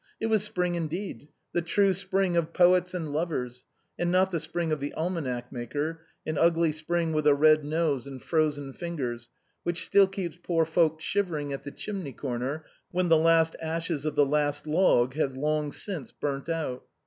It was spring indeed, the true spring of poets and lovers, and not the spring of the almanac maker — an ugly spring with a red nose and frozen fingers, which still keeps poor folk shivering at the chimney corner when the last ashes of the last log have long since burnt out.